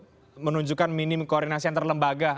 terus ini juga menunjukkan kemungkinan untuk kembali ke masyarakat